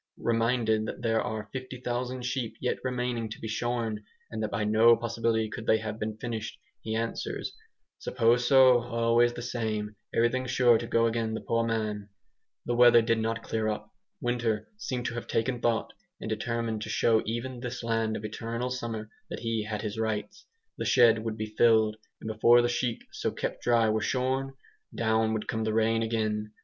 Reminded that there are 50,000 sheep yet remaining to be shorn, and that by no possibility could they have been finished, he answers, "Suppose so, always the same, everything sure to go agin the poor man." The weather did not clear up. Winter seemed to have taken thought, and determined to show even this land of eternal summer that he had his rights. The shed would be filled, and before the sheep so kept dry were shorn, down would come the rain again.